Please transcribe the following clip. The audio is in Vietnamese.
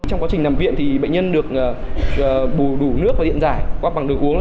trong quá trình nằm viện thì bệnh nhân được bù đủ nước và điện giải qua bằng đường uống